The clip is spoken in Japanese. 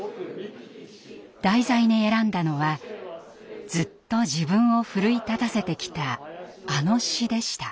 題材に選んだのはずっと自分を奮い立たせてきたあの詩でした。